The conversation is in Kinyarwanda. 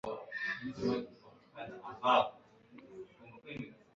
kugira ngo abone uko abakoresha neza